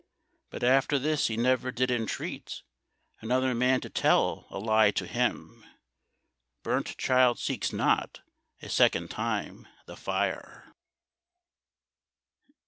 But after this he never did entreat Another man to tell a lie to him. Burnt child seeks not a second time the fire.